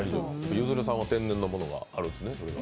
ゆずるさんは天然のものがあるんですね。